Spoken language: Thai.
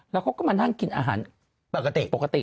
แล้วเขาก็มานั่งกินอาหารปกติปกติ